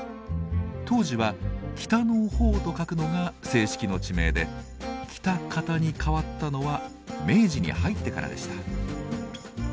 当時は「北の方」と書くのが正式の地名で「喜多方」に変わったのは明治に入ってからでした。